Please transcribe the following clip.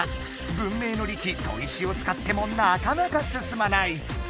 文明の利器砥石を使ってもなかなかすすまない！